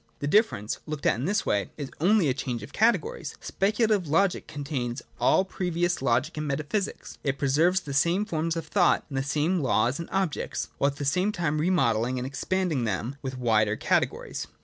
The difference, looked at in this way, is only a change of categories. Speculative Logic con tains all previous Logic and Metaphysics : it preserves the same forms of thought, the same laws and objects, — while at the same time remodelling and expanding them with wider categories.